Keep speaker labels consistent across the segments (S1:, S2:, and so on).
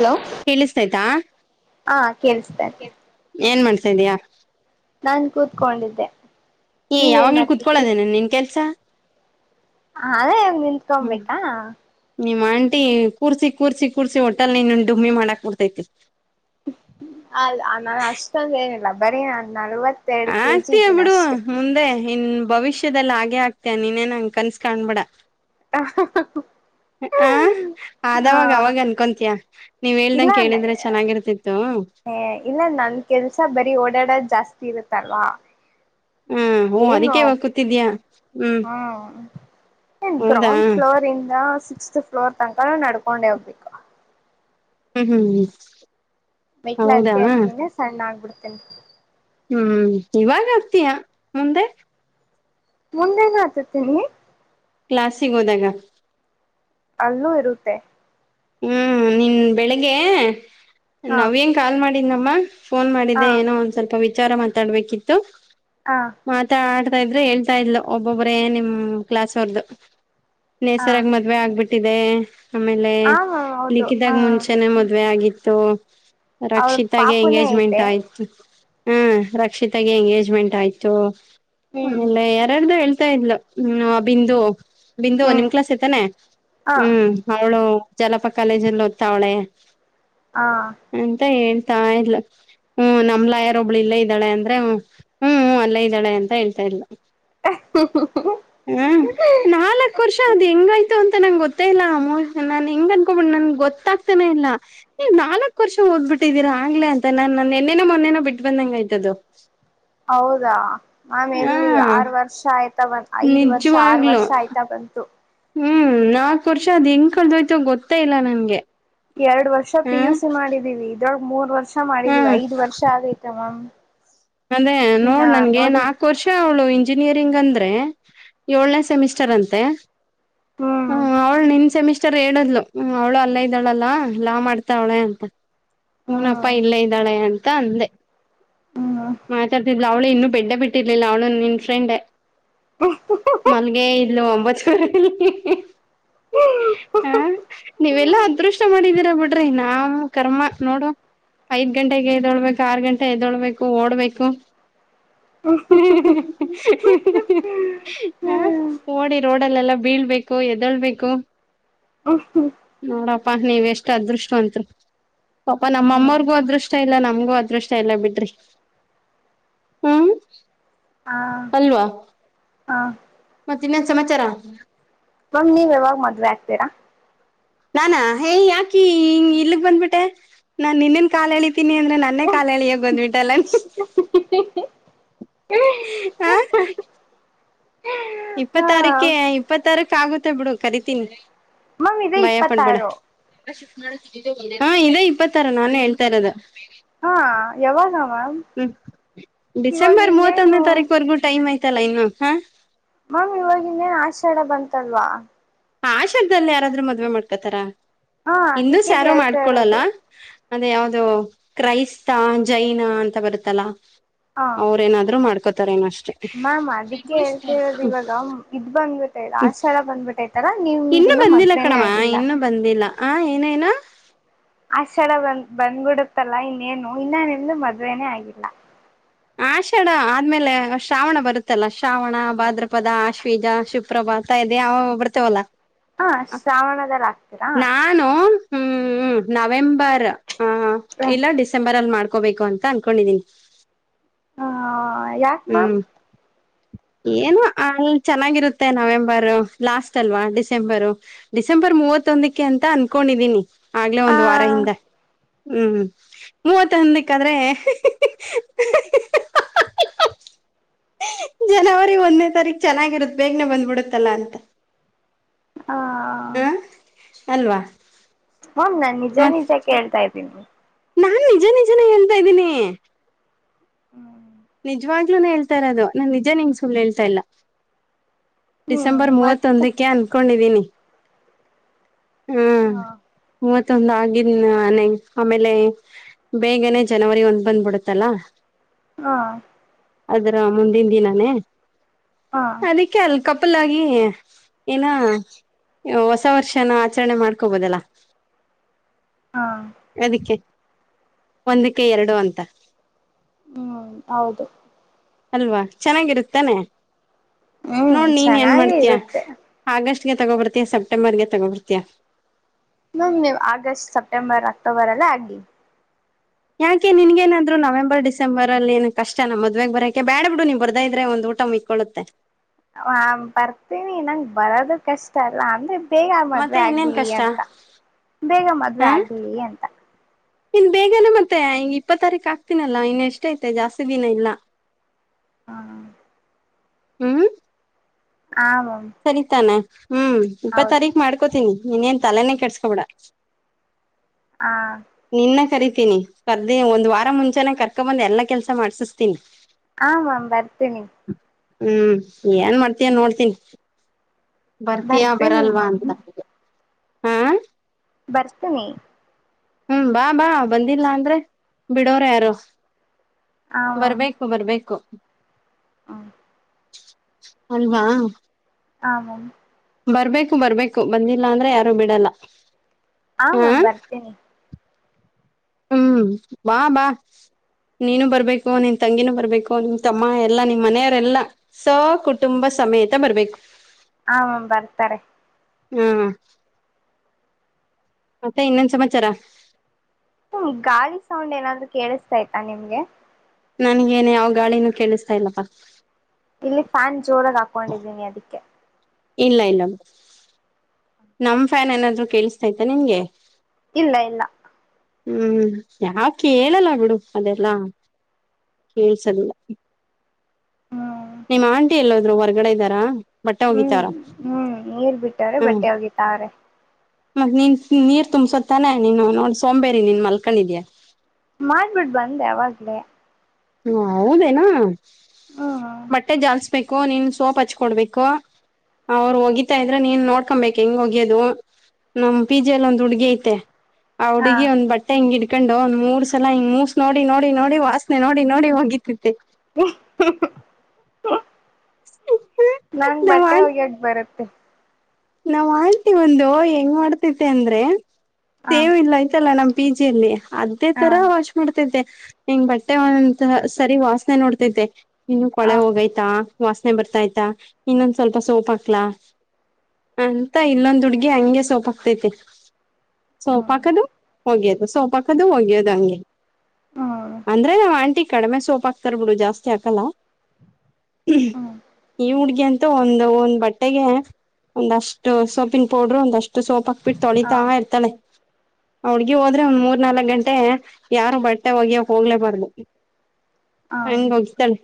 S1: Hello
S2: ಕೇಳಿಸ್ತೈತಾ
S1: ಹಾ ಕೇಳಿಸ್ತಾ ಇದೆ
S2: ಏನ್ ಮಾಡ್ಸ್ತಾ ಇದಿಯಾ.
S1: ನಾನ್ ಕೂತ್ಕೊಂಡಿದ್ದೆ.
S2: ಏ
S1: ನೀವೇನ್
S2: ಯಾವಾಗ್ಲ
S1: ಮಾಡ್ತಿದ್ರಿ
S2: ಕುತ್ಕೊಳೋದೇನನ್ ನಿನ್ ಕೆಲ್ಸ್.
S1: ಅದೇ ನಿತ್ಕೊಬೇಕಾ.
S2: ನಿಮ್ಮ್ ಆಂಟಿ ಕೂರ್ಸಿ ಕೂರ್ಸಿ ಕೂರ್ಸಿ ಹೋಟೆಲ್ ನೀನ್ನಾ ಡುಮ್ಮಿ ಮಾಡಾಕ್ ಬುಡ್ತೈತೆ.
S1: ಅ ಲ್ ನಾನ್ ಅಷ್ಟೊಂದ ಏನಿಲ್ಲ ಬರೀ ನಾನ ನಲ್ವತ್ತೆರಡ ಕೆಜಿ
S2: ಆಗ್ತೀಯ
S1: ಇದ್ದೀನಿ
S2: ಬಿಡು
S1: ಅಷ್ಟೆ.
S2: ಮುಂದೆ ಇನ್ ಭವಿಷ್ಯದಲ್ಲಿ ಹಾಗೆ ಆಗ್ತಿಯ ನೀನೇನ ಹಂಗ ಕನ್ಸ್ ಕಾಣಬೇಡ.
S1: [inaudible]
S2: ಹ್ಮ್
S1: ಹಾ
S2: ಆದವಾಗ ಅವಾಗ ಅನ್ಕೊತಿಯ. ನೀವ್ ಹೇಳ್ದಂ
S1: ಇಲ್ಲ
S2: ಕೇಳಿದ್ರೆ ಚೆನ್ನಾಗಿರ್ತಿತ್ತು.
S1: ಏ ಇಲ್ಲ ನನ್ ಕೆಲ್ಸ ಬರೀ ಓಡಾಡದ ಜಾಸ್ತಿ ಇರುತ್ತಲ್ವಾ,
S2: ಹ್ಮ್ ಓ
S1: ಏನು
S2: ಅದಕ್ಕೆ ಇವಾಗ ಕೂತಿದ್ಯಾ
S1: ಹ್ಮ್.
S2: ಹೌದಾ
S1: ಗ್ರೌಂಡ್ ಫ್ಲೋರ್ ಇಂದ ಸಿಕ್ಸ್ತ್ ಫ್ಲೋರ್ ತನಕ ನಡ್ಕೊಂಡೆ ಹೋಗ್ಬೇಕು.
S2: ಹ್ಮ್, ಹ್ಮ್, ಹ್ಮ
S1: ಮೈಟ್ಲ ಹತ್ತಿ ಹತ್ತಿನೇ ಸಣ್ಣ ಆಗ್ಬಿಡತೇ
S2: ಹ್ಮ್ ಇವಾಗ ಹತ್ತಿಯಾ ಮುಂದೆ
S1: ಮುಂದೇನು ಹತತೀನಿ
S2: ಕ್ಲಾಾಸಿಗೆ ಹೋದಾಗ
S1: ಅಲ್ಲೂ ಇರುತ್ತೆ
S2: ಹ್ಞ ನಿನ್ನ ಬೆಳಿಗ್ಗೆ
S1: ಹಾ
S2: ನವ್ಯಗ ಕಾಲ್ ಮಾಡಿದ್ದಮ್ಮ ಫೋನ್
S1: ಹಾ
S2: ಮಾಡಿದ್ದ ಏನೋ ಒಂದ್ ಸ್ವಲ್ಪ ವಿಚಾರ ಮಾತಾಡ್ಬೇಕಿತ್ತು
S1: ಹಾ
S2: ಮಾತಾಡ್ತಾ ಇದ್ರೆ ಹೇಳ್ತಾ ಇದ್ಲು ಒಬ್ಬೊಬ್ಬರೇ ನಿಮ್ಮ್ ಕ್ಲಾಸ್ ಅವರ್ದು
S1: ಹಾ
S2: ನೇಸರಗ
S1: ಹ
S2: ಮ ಮದುವೆ ಆಗ್ಬಿಟ್ಟಿದೆ ಆಮೇಲೆ
S1: ಮ್ಯಾಮ್ ಹೌದು ಹ
S2: ಮದವೆ ಆಗಿತ್ತು
S1: ಅವಳ
S2: ರಕ್ಷಿತಾ ಗೆ
S1: ಪಾಪುನೇ
S2: ಎಂಗೇಜ್ಮೆಂಟ್
S1: ಐತೆ
S2: ಆಯಿತು ಹ್ಮ ರಕ್ಷಿತಾಗ ಎಂಗೇಜ್ಮೆಂಟ್ ಆಯ್ತು
S1: ಹ್ಮ್
S2: ಆಮೇಲೆ ಯಾರಾರ್ದು ಹೇಳ್ತಾ ಇದ್ಲು ಹ್ಮ್ ಬಿಂದು ಬಿಂದು
S1: ಹ್ಮ್
S2: ನಿಮ್ ಕ್ಲಾಸ್ ತಾನೆ
S1: ಹಾ
S2: ಹ್ಮ್ ಅವಳು ಜಲಪ ಕಾಲೇಜಲ್ಲಿ ಓದ್ತಾವಳೆ
S1: ಹಾ
S2: ಅಂತ ಹೇಳ್ತಾ ಇದ್ಲು ಹ್ಮ್ ನಮ್ಲ ಯಾರೊಬ್ಳು ಇಲ್ಲೇ ಇದ್ದಾಳೆ ಅಂದ್ರೆ ಹ್ಮ್ ಅಲ್ಲೇ ಇದ್ದಾಳೆ ಅಂತ ಹೇಳ್ತಾ ಇಲ್ಲ ಹ್ಮ್ ನಾಲ್ಕ ಅ ವರ್ಷ ಅ ಹೆಂಗಯ್ತು ಅಂತ ನಂಗ ಗೊತ್ತೇ ಇಲ್ಲ ನಾನ್ ಹೆಂಗ ಅನ್ಕೋಬ್ ನನ್ ಗೊತ್ತಾಗ್ತಾನೆ ಇಲ್ಲಾ ನಾಲ್ಕಕ್ ವರ್ಷ ಓದ್ಬ ಬಿಟ್ಟಿದ್ದೀರಾ ಆಂಗ್ಲೆ ಅಂತ ನಾನ್ ನಿನ್ನೆನ ಮೊನ್ನೆನೋ ಬಿಟ್ಟು ಬಂದಂಗ ಆಯ್ತದು ಹಾ
S1: ಹೌದಾ ನಮ ಎಲ್ಲಿ ಆರ್ ವರ್ಷ ಆಯ್ತಾ ಬಂದ ಐದ್ ವರ್ಷ ಆರ್
S2: ನಿಜವಾಗ್ಲು
S1: ವರ್ಷ ಆಯ್ತಾ ಬಂತು
S2: ಹ್ಮ್ ನಾಲ್ಕ್ ವರ್ಷ ಅದ್ ಹೆಂಗ ಕಳ್ದೋಯ್ತು ಗೊತ್ತೇ ಇಲ್ಲ ನನ್ಗೆ
S1: ಎರಡ್ ವರ್ಷ
S2: ಹ್ಮ
S1: ಪಿ ಯು ಸಿ ಮಾಡಿದೀವಿ ಇದ್ರೊಳಗೆ ಮೂರ್ ವರ್ಷ ಮಾಡಿದೀವಿ
S2: ಹ್ಮ್
S1: ಐದ ವರ್ಷ ಆಗೈತ ಮ್ಯಾಮ್
S2: ಅದೇ
S1: ಇನ್ನ
S2: ನೋಡ್ ನನ್ಗ ನ್
S1: ನೋಡಿ
S2: ಆ ವರ್ಷ ಅವಳು ಇಂಜಿನಿಯರಿಂಗ್ ಅಂದರೆ ಏಳನೇ ಸೆಮಿಸ್ಟರ್ ಅಂತೆ
S1: ಹ್ಮ್
S2: ಹ್ಮ ಅವಳ ನಿನ್ ಸೆಮಿಸ್ಟರ್ ಆಚರ್ ಹೇಳ್ಲು ಅವ್ಳು ಅಲ್ಲ ಇದ್ದಳಲ್ಲಾ ಲ್ಲಾ ಮಾಡ್ತ ಅವಳೆ ಅಂತ ಹೂನಪ್ಪಾ
S1: ಹ್ಮ್
S2: ಇಲ್ಲೇ ಇದ್ದಾಳೆ ಅಂತ ಅಂದೆ
S1: ಹ್ಮ್
S2: ಮಾತಾಡ್ತಿದ್ ಲ ಅವಳು ಇನ್ನುೂ ಬೆಡ್ಡೆ ಬಿಟ್ಟಿರ್ಲಿಲ್ಲ ಅವಳು ನಿನ್ ಫ್ರೆಂಡೆ ಮಲ್ಗೆ ಇಲ್ಲ ಒಂಬ ಚೋರೆ ಹಾ [unintelligible] ನೀವೆಲ್ಲಾ ಅದೃಷ್ಟ ಮಾಡಿದೀರಾ ಬಿಡ್ರಿ ನಾ ಕರ್ಮ ನೋಡು ಐದ್ ಗಂಟೆಗೆ ಎದಳ್ಬೇಕು ಆರ್ ಗಂಟೆ ಎದೊಳ್ಬೇಕು ಓಡ್ಬೇಕು
S1: ಹ್ಮ ಹ್ಮ್
S2: ಹ ನೋಡಿ ರೋಡಲ್ಲೆಲ್ಲ ಬೀಳ್ಬೇಕು ಎದಳ್ಬೇಕು
S1: ಹಾ ಹಾ
S2: ನೋಡಪ್ಪಾ ನೀವ್ ಎಷ್ಟ್ ಅದೃಷ್ಟ ವಂತರು ಪಾಪಾ ನಮ್ಮರ್ಗೂ ಅದೃಷ್ಟ ಇಲ್ಲ ನಮ್ಗೂ ಅದೃಷ್ಟ ಇಲ್ಲ ಬಿಡ್ರಿ ಹ್ಮ್
S1: ಹಾ
S2: ಅಲ್ವಾ ಮತ್ತೆ ಇನ್ನೆನ ಸಮಾಚಾರಾ
S1: ಒ ನೀವ ಯಾವಾಗ ಮದ್ವೆ ಆಗ್ತೀರಾ
S2: ನಾನಾ ಹೇ ಯಾಕಿ ಹ ಇಲಿಗ ಬಂದ್ಬಿಟ್ಟೆ ನಾನ್ ನಿನ್ನನ್ ಕಾಲೆಳಿತೀನಿ ಅಂದ್ರ ನನ್ನೇ ಕಾಲಳಿಯೋ ಬಂದ್ಬಿಟ್ಟಲ್ಲ
S1: ತ್ತೆ
S2: ಹಾ. ಇಪ್ಪತ್
S1: ಹಾ
S2: ತಾರೀಕ ಇಪ್ಪತ್ತ ತಾರೀಕ ಆಗುತ್ತೆ ಬಿಡು ಕರಿತೀನಿ
S1: ಮ್ಯಾಮ್ ಇದೇ
S2: ಭಯ ಪಡ್ಬೇಡ.
S1: ಇಪ್ಪತ್ತಾರು
S2: ಹಾ ಇದೇ ಇಪ್ಪತ್ತಾರ ನಾನೇ ಹೇಳ್ತಾ ಇರೋದ.
S1: ಹಾ ಯಾವಾಗ ಮ್ಯಾಮ.
S2: ಹ್ಮ್ ಡಿಸೆಂಬರ್ ಮೂವತ್ತೊಂದನೇ ತಾರೀಕವರೆಗೂ ಟೈಮ್ ಆಯ್ತಲ್ಲ ಇನ್ನು ಹಾ.
S1: ಮ್ಯಾಮ್ ಇವಾಗ ಇನ್ನೇನ್ ಆಷಾಡ ಬಂತಲ್ವಾ.
S2: ಆಷಾಡದಲ್ಲಿ ಯಾರಾದ್ರೂ ಮದ್ವೆ ಮಾಡ್ಕೊತಾರ
S1: ಹಾ
S2: ಹಿಂದುಸ್
S1: ಅದಿಕ್ಕೆ
S2: ಯಾರು
S1: ಕೇಳ್ತಾ
S2: ಮಾಡ್ಕೊಳಲ್ಲ.
S1: ಇರೋದು
S2: ಅದೇ ಯಾವ್ದೋ ಕ್ರೈಸ್ತ ಜೈನ ಅಂತ ಬರುತ್ತಲ್ಲ.
S1: ಹ
S2: ಅವ್ರೇನಾದ್ರು ಮಾಡ್ಕೋತಾರ ಏನ ಅಷ್ಟ
S1: ಮ್ಯಾಮ್ ಅದಕ್ಕೆ ಹೇಳ್ತಿ ಇರೋದು ಇವಾಗ ಇದ್ ಬಂದ್ಬಿಟ್ಟೈದು ಆಷಾಡ ಬಂದುಬಿಟೈತೆ. ತರ
S2: ಇನ್ನು
S1: ನಿಂದಿನ್ನ
S2: ಬಂದಿಲ್ಲ
S1: ಮದ್ವೆನೇ
S2: ಕಣಮ್ಮ
S1: ಆಗಿಲ್ಲ.
S2: ಇನ್ನು ಬಂದಿಲ್ಲ ಆ ಏನು ಏನು.
S1: ಆಷಡ ಬಂದ್ ಬಂದ್ಬಿಡುತ್ತಲ್ಲ ಇನ್ನೇನು ಇನ್ನ ನಿಮ್ದು ಮದ್ವೆನೇ ಆಗಿಲ್ಲ.
S2: ಆಷಾಢ ಆದ್ಮೇಲೆ ಶ್ರಾವಣ ಬರುತ್ತಲ್ಲ ಶ್ರಾವಣ ಭಾದ್ರಪದ ಆಶ್ವೀಜ ಶು ಪ್ರಭಾತ ಇದೆ ಅವ ಬರ್ತೇವಲ್ಲ
S1: ಹ ಶ್ರಾವಣದಲ್ಲಿ ಆಗ್ತೀರಾ
S2: ನಾನು. ಹ್ಮ್ ನವೆಂಬರ್ ಆ ಇಲ್ಲ ಡಿಸೆಂಬರ್ ಅಲ್ಲಿ ಮಾಡ್ಕೋಬೇಕು ಅಂತ ಅನ್ಕೊಂಡಿದೀನಿ.
S1: ಹಾ ಯಾ
S2: ಹ್ಮ್. ಏನು ಅಲ್ಲ ಚೆನ್ನಾಗಿರುತ್ತೆ ನವೆಂಬರ್ ಲಾಸ್ಟ್ ಅಲ್ವಾ ಡಿಸೆಂಬರು. ಡಿಸೆಂಬರ್ ಮೂವತ್ತೊಂದಕ್ಕೆ ಅಂತ ಅನ್ಕೊಂಡಿದೀನಿ ಆಗ್ಲೆೇ
S1: ಆ
S2: ಒಂದ ವಾರ ಹಿಂದ. ಹ್ಮ್ ಮೂವತ್ತೊಂದಕಾದ್ರೆ ಜನವರಿ ಒಂದನೇ ತಾರೀಖ ಚೆನ್ನಾಗಿರುತ್ತ ಬೇಗನೆ ಬಂದ್ಬ ಬಿಡುತ್ತಲ್ಲಾ ಅಂತ.
S1: ಹ
S2: ಹ ಅಲ್ವಾ.
S1: ಮ್ಯಾಮ್ ನಾನ್ ನಿಜ
S2: ಮತ್
S1: ನಿಜ ಕೇಳ್ತಾ ಇದ್ದೀನಿ.
S2: ನಾನ್ ನಿಜ ನಿಜನೇ ಹೇಳ್ತಾ ಇದ್ದೀನಿ.
S1: [inaudible]
S2: ನಿಜವಾಗ್ಲೂನೆ ಹೇಳ್ತ ಇರೋದು ನಾನ್ ನಿಜ ನಿಂಗ್ ಸುಳ್ಳ ಹೇಳ್ತಾ ಇಲ್ಲ.
S1: ಹ್ಮ್
S2: ಡಿಸೆಂಬರ್
S1: ಮತ್ತೆ
S2: ಮೂವತ್ತೊಂದಕ್ಕೆ ಅನ್ಕೊಂಡಿದೀನಿ.
S1: ಹಾ.
S2: ಮೂವತ್ತೊಂದ ಆಗಿದನೆಗ್ ಆಮೇಲೆ. ಬೇಗನೆ ಜನವರಿ ಒಂದ್ ಬಂದ್ಬಿಡುತ್ತಲ್ಲಾ.
S1: ಹಾ.
S2: ಅದ್ರ ಮುಂದಿನ ದಿನಾನೇ.
S1: ಹಾ.
S2: ಅದಕ್ಕೆ ಅಲ್ಲಿ ಕಪಲ್ ಆಗಿ ಏನ ಹೊಸ ವರ್ಷನ ಆಚರಣೆ ಮಾಡ್ಕೋಬೋದಲ್ಲಾ.
S1: ಹಾ.
S2: ಅದಕ್ಕೆ ಒಂದಕ್ಕೆ ಎರಡು ಅಂತ.
S1: ಹ್ಮ್ ಹೌದು.
S2: ಅಲ್ವಾ ಚೆನ್ನಾಗಿರುತ್ತಾನೆ
S1: ಹ್ಮ್
S2: ನೋಡ್ ನೀನ್ ಏನ್
S1: ಚೆನ್ನಾಗಿ
S2: ಮಾಡ್ತೀಯ.
S1: ಇರುತ್ತೆ
S2: ಆಗಸ್ಟ್ಗೆ ತಗೊಬರ್ತಿಯಾ ಸಪ್ಟೆಂಬರ್ಗೆ ತಗೋಬರ್ತೀಯ.
S1: ಮ್ಯಾಮ್ ನೀವು ಆಗಸ್ಟ್ ಸೆಪ್ಟೆಂಬರ್ ಅಕ್ಟೋಬರ್ ಅಲ್ಲ ಆಗಿ.
S2: ಯಾಕೆ ನಿನಗೆನಾದ್ರು ನವೆಂಬರ್ ಡಿಸೆಂಬರ್ ಅಲ್ಲಿ ಏನ್ ಕಷ್ಟ ನ ಮದವೆೆ ಬರಕೆ ಬೇಡ್ ಬಿಡು ನೀನ್ ಬರ್ದಾ ಇದ್ರೆ ಒಂದು ಊಟ ಮಿಕ್ ಕೊಳ್ಳುತ್ತೆ.
S1: ಹ, ಬರ್ತೀನಿ ನಂಗೆ ಬರೋದು ಕಷ್ಟ ಅಲ್ಲ ಅಂದ್ರೆ ಬೇಗ ಮದ್ವೆ
S2: ಮತ್ತೆ ಇನ್ನೇನ್
S1: ಆಗ್ಲಿ
S2: ಕಷ್ಟ
S1: ಅಂತ, ಬೇಗ ಮದ್ವೆ ಆಗ್ಲಿ ಅಂತ-
S2: ಇಲ್ಲ [inaudible] ಬೇಗನೆ ಮತ್ತೆ ಇಪ್ಪತ್ ತಾರೀಕು ಆಕ್ತೀನಲ್ಲ ಇನ್ನು ಎಷ್ಟ ಐತೆ ಜಾಸ್ತಿ ದಿನ ಇಲ್ಲ.
S1: ಹ್ಮ [inaudible]
S2: ಹ್ಮ್,
S1: ಆಮ್ [unintelligible]
S2: ಸರಿತಾನೆ ಹ್ಮ್, ಇಪ್ಪತ್ ತಾರೀಕ ಮಾಡ್ಕೋತೀನಿ ಇನ್ನೇನ್ ತಲೆನೆೇ ಕೆಟ್ಸ್ಕೊಬೇಡ.
S1: ಹಾ,
S2: ನಿನ್ನ ಕರಿತೀನಿ ಕರ್ದಿ ಒಂದ್ ವಾರ ಮುಂಚೆನೇ ಕರ್ಕೊ ಬಂದ್ ಎಲ್ಲಾ ಕೆಲ್ಸ ಮಾಡ್ಸಿಸ್ತೀನಿ.
S1: ಹಾಮ್ ಬರ್ತೀನಿ.
S2: ಹ್ಮ್, ಏನ್ ಮಾಡ್ತೀಯ ನೋಡ್ತೀನಿ. ಬರ್ತೀಯಾ
S1: ಬರ್ತೀನಿ
S2: ಬರಲ್ವಾ
S1: ಮ್ಯಾಮ್
S2: ಅಂತ ಹಾ
S1: ಬರ್ತಿನಿ
S2: ಹ್ಮ್, ಬಾ ಬಾ ಬಂದಿಲ್ಲ ಅಂದ್ರೆ ಬಿಡೋರ ಯಾರು
S1: ಹ
S2: ಬರ್ಬೇಕು, ಬರ್ಬೇಕು
S1: ಹ [inaudible]
S2: ಅಲ್ವಾ,
S1: ಆಮ [inaudible]
S2: ಬರ್ಬೇಕು ಬರ್ಬೇಕು ಬಂದಿಲ್ಲ ಅಂದ್ರೆ ಯಾರು ಬಿಡಲ್ಲ. ಹ
S1: ಆಮಾ ಬರ್ತೀನಿ.
S2: ಹ್ಮ್, ಬಾ, ಬಾ ನೀನು ಬರ್ಬೇಕು, ನಿನ್ ತಂಗಿನೂ ಬರ್ಬೇಕು ನಿಮ್ತಮ್ಮ ಎಲ್ಲಾ ನಿಮ್ ಮನೆಯವರೆಲ್ಲಾ. ಸೋ, ಕುಟುಂಬ ಸಮೇತ ಬರಬೇಕು.
S1: ಹಾ, ಮಾ ಬರ್ತಾರೆ.
S2: ಹ್ಮ್, ಮತ್ತೆ ಇನ್ನೆನು ಸಮಾಚಾರ.
S1: ಹ್ಮ್, ಗಾಳಿ ಸೌಂಡ್ ಏನಾದ್ರೂ ಕೇಳಿಸ್ತಾ ಆಯ್ತ ನಿಮ್ಗೆ,
S2: ನನ್ಗೇನೆ ಯಾವ ಗಾಳಿನ ಕೇಳಿಸ್ತಾ ಇಲ್ಲಪ್ಪಾ.
S1: ಇಲ್ಲಿ ಫ್ಯಾನ್ ಜೋರಾಗಿ ಹಾಕೊಂಡಿದ್ದೀನಿ ಅದಕ್ಕೆ.
S2: ಇಲ್ಲ, ಇಲ್ಲಾ ನಮ್ ಫ್ಯಾನ್ ಏನಾದ್ರು ಕೇಳಿಸ್ತೈತೆ ನಿನ್ಗೆ.
S1: ಇಲ್ಲ, ಇಲ್ಲಾ -
S2: ಹ್ಮ್, ಯಾವ ಕೇಳಲ್ಲ ಬಿಡು ಅದೆಲ್ಲಾ ಕೇಳ್ಸಲ್ಲಾ-
S1: ಹ್ಮ್
S2: ನಿಮ್ಮ್ ಆಂಟಿ ಎಲ್ಲೊದ್ರು ಹೊರ್ಗಡೆ ಇದ್ದಾರಾ ಬಟ್ಟೆ
S1: ಹ್ಮ್
S2: ಹೋಗಿತಾರ
S1: ಹ್ಮ್ ನೀರ್ ಬಿಟ್ಟವ್ರೆ
S2: ಹ್ಮ್,
S1: ಬಟ್ಟೆ ಒಗಿತಾವ್ರೆ
S2: ಮತ್ ನೀನ್ ನೀರ್ ತುಂಬ್ಸೊದತ್ತಾನೇ ನೀನು ನೋಡ್ ಸೋಂಬೇರಿ ನೀನ್ ಮಲ್ಕೊಂಡಿದ್ಯಾ.
S1: ಮಾಡ್ಬಿಟ್ಟ ಬಂದೆ ಅವಾವಾಗ್ಲೇ.
S2: ಹ, ಹೌದೇನಾ!
S1: ಹ್ಮ್
S2: ಬಟ್ಟೆ ಜಾಲಸ್ಬೇಕು ನೀನ್ ಸೋಪ್ ಹಚ್ಕೊಡ್ಬೇಕು. ಅವ್ರು ಹೋಗಿತಾ ಇದ್ರೆ ನೀನ್ ನೋಡ್ಕೊಂಬಕ್ ಹೆಂಗ್ ಹೋಗ್ಯದು. ನಮ್ ಪಿಜೆ ಅಲ್ಲಿ ಒಂದು ಹುಡ್ಗಿ ಐತೆ.
S1: ಹ
S2: ಹುಡ್ಗಿ ಒಂದ್ ಬಟ್ಟೆ ಹಿಂಗ್ ಇಡ್ಕೊಂಡು ಒಂದ್ ಮೂರ್ ಸಲ ಹಿಂಗ್ ಮೂಸ ನೋಡಿ ನೋಡಿ ನೋಡಿ ವಾಸ್ನೆ ನೋಡಿ ನೋಡಿ ಹೋಗಿತೈತೆ.
S1: [unintelligible] ನನಗ
S2: ನಾವ್
S1: ಬಟ್ಟೆ
S2: ಆಂಟಿ
S1: ಹೋಗಿಯಕ ಬರುತ್ತೆ.
S2: ನಾವ್ ಆಂಟಿ ಒಂದು ಹೆಂಗ್ ಮಾಡ್ತೈತೆ ಅಂದ್ರೆ
S1: ಹ
S2: ಸೇವ ಇಲ್ಲ ಐಯ್ತಲ್ಲ ನಮ್ ಪೀಜಿಯಲ್ಲಿ ಅದೇ
S1: ಹ
S2: ತರ. ಡ್ತಿದ್ದೆ ಹೆಂಗ್ ಬಟ್ಟೆ [unintelligible] ಸರಿ ವಾಸನೆ ನೋಡ್ತಿದ್ದೆ. ಇನ್ನು
S1: ಹ
S2: ಕೊಳೆ ಹೋಗಯ್ತಾ ವಾಸನೆ ಬರ್ತಾಯ್ತಾ ಇನ್ನೊಂದ್ ಸ್ವಲ್ಪ ಸೋಪ್ ಹಾಕ್ಲಾ. ಅಂತ ಇಲ್ಲೊಂದು ಹುಡ್ಗಿ ಹಂಗೆ ಸೋಪ್ ಹಾಕ್ತೈತೆ ಸೋಪ್
S1: ಹ್ಮ್
S2: ಹಾಕದು. ಒಗ್ಯೋದು ಸೋಪ್ ಹಾಕದು ಒಗ್ಯೋದು ಹಂಗೆ
S1: ಹ್ಮ್
S2: ಅಂದ್ರೆ ಆವ್ ಆಂಟಿ ಕಡಿಮೆ ಸೋಪಾ ತರ್ ಬಿಡು ಜಾಸ್ತಿ ಹಕಲ್ಲ. ಮ್
S1: ಹ್ಮ್
S2: ಈ ಹುಡ್ಗಿ ಅಂತೂ ಒಂದು ಒಂದ್ ಬಟ್ಟೆಗೆ. ಒಂದಷ್ಟು ಸೋಪಿಂಗ ಪೌಡರು ಒಂದಷ್ಟು ಸೋಪ್ ಹಾಕ್ಬಿಟ್ಟು
S1: ಹ
S2: ತೊಳಿತಾ ಇರ್ತಾಳೆ. ಆ ಹುಡ್ಗಿ ಹೋದ್ರೆ ಒಂದ್ ಮೂರ್ ನಾಲಕ್ ಗಂಟೆ ಯಾರು ಬಟ್ಟೆ ಒಗಿಯಕ್ ಹೋಗ್ಲೇಬಾರ್ದು.
S1: ಹ
S2: ಹಂಗ ಒಗಿತಾಳೆ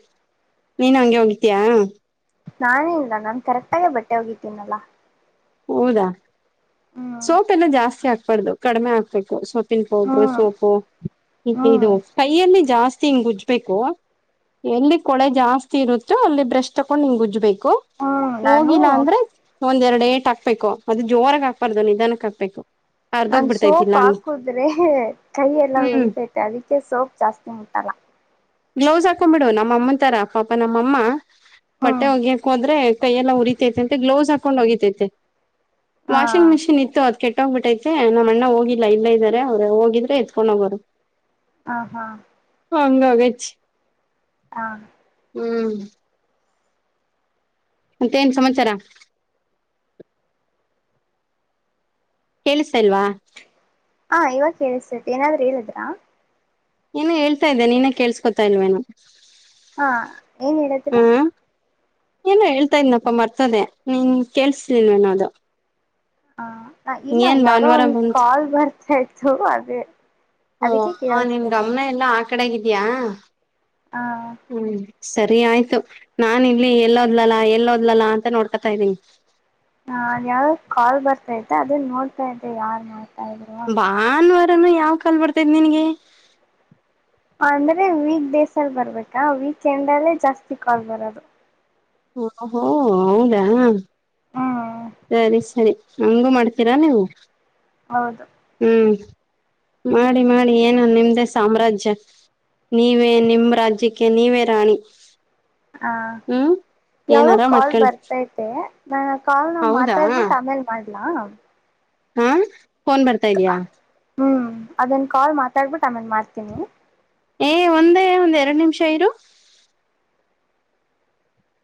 S2: ನೀನು ಹಂಗೆ ಒಗತೀಯಾ.
S1: ನಾನೇನ್ ಇಲ್ಲ ನಾನ್ ಕರೆಕ್ಟಾಗೆ ಬಟ್ಟೆ ಒಗೀತೀನಲ್ಲಾ.
S2: ಹೌದಾ
S1: ಹ್ಮ್
S2: ಸೋಪ್ ಎಲ್ಲ ಜಾಸ್ತಿ ಹಾಕ್ಬಾರ್ದು ಕಡಿಮೆ ಹಾಕ್ಬೇಕು ಸ ನ್ ಪೌಡ್ರ
S1: ಹ್ಮ್
S2: ಸೋಪು [unintelligible]
S1: ಹ್ಮ್
S2: ಇದು ಕೈಯಲ್ಲಿ ಜಾಸ್ತಿ ಹಿಂಗುಜ್ಜ ಬೇಕು ಎಲ್ಲಿ ಕೊಳೆ ಜಾಸ್ತಿ ಇರುತ್ತೋ ಅಲ್ಲಿ ಬ್ರಷ್ ತಕೊಂಡು ಹಿಂಗ್ ಉಜ್ಜಬೇಕು.
S1: ಹ್ಮ್ ನಾನು
S2: ಹೋಗಿಲ್ಲ ಅಂದ್ರೆ ಒಂದೆರಡೇಟ ಹಾಕ್ಬೇಕು ಅದು ಜೋರಾಗ ಹಾಕ್ಬಾರ್ದು ನಿಧಾನಕ್ಕೆ ಹಾಕ್ಬೇಕು.
S1: ನಾನ್ ಸೋಪ್
S2: ಅರ್ದೋಗ್ಬಿಡ್ತೈತಿಲ್ಲ ಅಂದ
S1: ಹಾಕುದ್ರೆ ಕೈ ಎಲ್ಲ
S2: ಹ್ಮ್
S1: ಉರಿತೈತೆ ಅದಕ್ಕೆ ಸೋಪ್ ಜಾಸ್ತಿ ಮುಟ್ಟಲ್ಲ.
S2: ಗ್ಲೌಸ್ ಹಾಕೊಂಡ್ಬಿಡು ನಮ್ಮ ಅಮ್ಮಂತರ ಪಾಪ ನಮ್ಮಮ್ಮ. ಬಟ್ಟೆ
S1: ಹ್ಮ್
S2: ಒಗಯಕೆ ಹೊದ್ರೆ ಕೈಯಲ್ಲ ಉರಿತೈತೆ ಅಂತೆ ಗ್ಲೌಸ್ ಹಾಕೊಂಡು ಒಗಿತೈತೆ.
S1: ಹಾ
S2: ವಾಷಿಂಗ್ ಮೆಷಿನ್ ಇತ್ತು ಅದ್ ಕೆಟ್ಟ್ ಹೋಗ್ಬಿಟ್ಟೈತೆ ನಮ್ಮ ಅಣ್ಣ ಹೋಗಿಲ್ಲ ಇಲ್ಲೆ ಇದಾರೆ ಅವ್ರು ಹೋಗಿದ್ರೆ ಎತ್ಕೊಂಡ ಹೋಗೋರು.
S1: ಆ ಹ್ಮಾ
S2: ಹಂಗೋಗಚ್ಚಿ.
S1: ಹಾ
S2: ಹ್ಮ್ ಮತ್ತೇನ್ ಸಮಾಚಾರ. ಕೇಳಿಸ್ತಇಲ್ವಾ.
S1: ಹಾ ಇವಾಗ ಕೆಳಿಸತೈತಿ ಏನಾದ್ರು ಹೇಳಿದ್ರಾ.
S2: ಏನೊ ಹೇಳ್ತಾ ಇದ್ದೆ ನೀನೇ ಕೇಸ್ಕೊತಾ ಇಲ್ವೇನು.
S1: ಹಾ ಏನ್ ಹೇಳದ್ರಿ.
S2: ಏನು ಹೇಳ್ತಾ ಇದ್ನಪ್ಪ ಮರ್ತೊದೆ ನೀನ್ ಕೇಳ್ಸಲಿಲ್ವೆನೊ ಅದು.
S1: ಹಾ ಇಲ್ಲ
S2: ಏನ್
S1: ಯಾವ್ದೋ
S2: ಭಾನುವಾರ ಬಂತು
S1: ಕಾಲ್ ಬರ್ತಾಇತ್ತು ಅದೇ.
S2: ಹೋಒ
S1: ಅದಕ್ಕೆ
S2: ನಿನ್ ಗಮನ
S1: ಕೇಳಿಸ್ತಿರ್ಲಿಲ್ಲ
S2: ಎಲ್ಲಾ ಆ ಕಡೆಗಿದ್ಯಾ ಹ್ಮ್. ಸರಿ ಆಯ್ತು ನಾನ ಇಲ್ಲಿ ಎಲ್ಲೋದ್ಲಲ್ಲಾ ಎಲ್ಲೋದ್ಲಲ್ಲಾ ಅಂತ ನೋಡ್ಕತಾ ಇದ್ದೀನಿ.
S1: ಹ ಅದ್ ಯಾವದೊ ಕಾಲ್ ಬರ್ತೈತೆ ಅದನ್ನ ನೋಡ್ತಾ ಇದ್ದೆ ಯಾರು.
S2: ಭಾನುವಾರನು ಯಾವ ಕಾಲು್ ಬರ್ತೈದ್ ನಿನ್ಗೆ.
S1: ಅಂದ್ರೆ ವೀಕ್ ಡೇಸ್ ಅಲ್ಲಿ ಬರ್ಬೇಕಾ ವೀಕ್ ಎಂಡ್ ಅಲ್ಲೇ ಜಾಸ್ತಿ ಕಾಲ್ ಬರೋದು.
S2: ಒಹೊಹೋ ಹೌದಾ.
S1: ಹ್ಮ್
S2: ಸರಿ ಸರಿ ಹಂಗು ಮಾಡ್ತೀರಾ ನೀವು.
S1: ಹೌದು.
S2: ಹ್ಮ್ ಮಾಡಿ ಮಾಡಿ ಏನು ನಿಮ್ದೇ ಸಾಮ್ರಾಜ್ಯ. ನೀವೇ ನಿಮ್ ರಾಜ್ಯಕ್ಕೆ ನೀವೇ ರಾಣಿ.
S1: ಹ
S2: ಹ್ಮ್
S1: ಯಾವೋ
S2: ಏನಾರ
S1: ಕಾಲ್
S2: ಮಾಡ್ಕೊಳ್ಳಿ
S1: ಬರ್ತ ಇ ತೆ ನಾನ ಆ ಕಾಲ್ ನ
S2: ಹೌದಾ
S1: ಮಾತಾಡ್ಬಿಟ್ಟು ಆಮೇಲ್ ಮಾಡ್ಲಾ.
S2: ಹ್ಮ್ ಫೋನ್ ಬರ್ತಾ ಇದ್ಯಾ.
S1: ಹ್ಮ್ ಅದನ್ ಕಾಲ್ ಮಾತಾಡ್ಬಿಟ್ಟು ಆಮೇಲ್ ಮಾಡ್ತೀನಿ.
S2: ಏ ಒಂದೇ ಒಂದ್ ಎರಡು ನಿಮಿಷ ಇರು.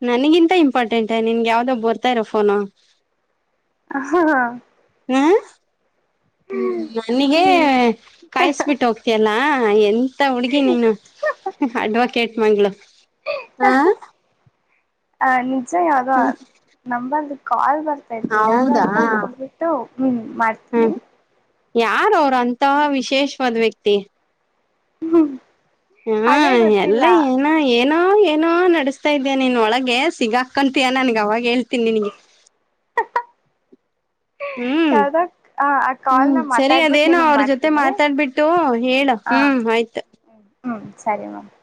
S2: ನನಗಿಂತ ಇಂಪಾರ್ಟೆಂಟ್ ನಿನಗೆ ಯಾವ್ದೋ ಬರ್ತಾ ಇರೋ ಪೋನು
S1: ಹಾ ಹಾ ಹಾ
S2: [unintelligible] ಹ್ಮ್ ನನಗೆ
S1: ಹ್ಮ್
S2: ಕಾಯಸ್ಬಿಟ್ಟ ಹೋಗ್ತಿಯಲ್ಲಾ ಎನ್ ಮತ್ತ ಹುಡುಗಿ ನೀನು ಅಡ್ವಕೇಟ್ ಮಗಳು ಹ
S1: ಹ ನಿಜ ಯಾವ್ದೋ ನಂಬರದ್ದೂ ಕಾಲ್ ಬರ್ತ್ ತ್ತಿತ್ತು
S2: ಹೌದಾ
S1: ಯಾವದಂತ ನೋಡ್ಬಿಟ್ಟು ನಿನಗ್ ಮಾಡ್ತೀನಿ.
S2: ಯಾರ ಅವರು ಅಂತ ವಿಶೇಷವಾದ್ ವ್ಯಕ್ತಿ.
S1: [unintelligible]
S2: ಹಾ
S1: ಅದೇ ಗೊತ್ತಿಲ್ಲ
S2: ಎಲ್ಲಾ ಇಗ್ ಹಾ ಏನೋ ಏನೋ ನಡಸ್ತಾ ಇದಿಯಾ ನೀನು ಒಳಗೆ ಸಿಗಾಕಂತೀಯಾ ನನಗೆ ಅವಾಗ ಹೇಳ್ತೀನಿ ನಿನಗೆ.
S1: ಹ
S2: ಹ್ಮ್
S1: ಯಾವದ್ ಕಾ ಆ ಕಾಲ್
S2: ಹ್ಮ್
S1: ನ
S2: ಸರಿ
S1: ಮಾತಾಡ್ಬಿಟ್ಟು
S2: ಅದೇನೋ
S1: ನಿಮಗೆ
S2: ಅವ್ರ ಜೊತೆ
S1: ಮಾಡ್ತೀನಿ
S2: ಮಾತಾಡ್ಬಿಟ್ಟು ಹೇಳ
S1: ಹ
S2: ಹ್ಮ್ ಆಯ್ತು
S1: ಹ್ಮ ಹ್ಮ್ ಸರಿ ಮತ್